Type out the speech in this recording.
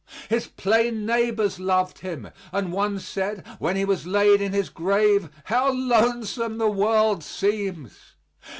His plain neighbors loved him; and one said, when he was laid in his grave, "How lonesome the world seems!"